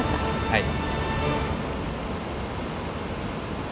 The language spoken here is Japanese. はい。